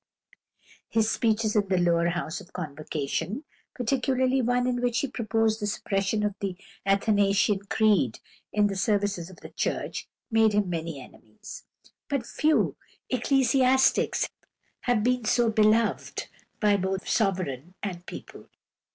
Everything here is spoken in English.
His speeches in the Lower House of Convocation, particularly one in which he proposed the suppression of the Athanasian Creed in the services of the Church, made him many enemies; but few ecclesiastics have been so beloved by both sovereign and people.